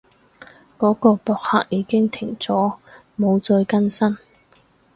嗰個博客已經停咗，冇再更新